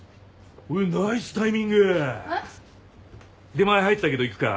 出前入ったけど行くか？